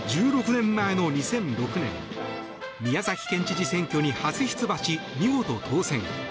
１６年前の２００６年宮崎県知事選挙に初出馬し見事当選。